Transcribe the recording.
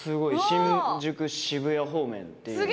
新宿・渋谷方面っていう。